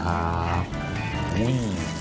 ข้าวตำ